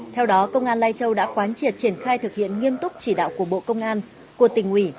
theo đó công an lai châu đã quán triệt triển khai thực hiện nghiêm túc chỉ đạo của bộ công an của tỉnh ủy